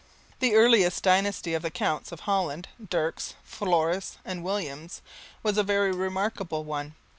The earliest dynasty of the Counts of Holland Dirks, Floris, and Williams was a very remarkable one.